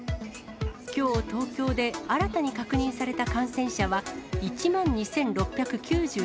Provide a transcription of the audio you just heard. きょう東京で新たに確認された感染者は、１万２６９６人。